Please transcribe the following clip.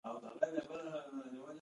هوا د افغان کلتور په داستانونو کې راځي.